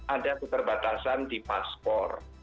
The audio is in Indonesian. ada keterbatasan di paspor